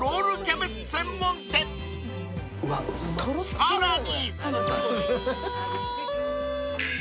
［さらに］